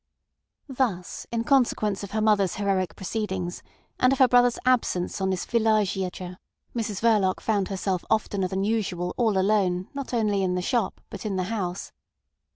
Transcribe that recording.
Thus in consequence of her mother's heroic proceedings, and of her brother's absence on this villegiature, Mrs Verloc found herself oftener than usual all alone not only in the shop, but in the house.